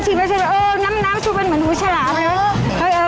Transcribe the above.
ชีว่าหน้ามน้ำน้ำปละสูบล่มเหมือนหูฉลาม